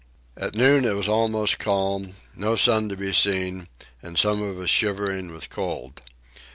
At noon it was almost calm, no sun to be seen, and some of us shivering with cold.